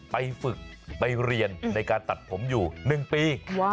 ไปฝึกไปเรียนในการตัดผมอยู่๑ปี